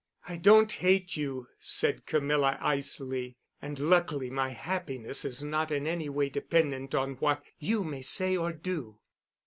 "I don't hate you," said Camilla icily, "and luckily my happiness is not in any way dependent on what you may say or do."